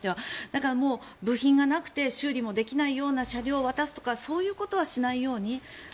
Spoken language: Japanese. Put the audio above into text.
だから部品がなくて修理ができないような車両を渡すとかそういうことはしないように。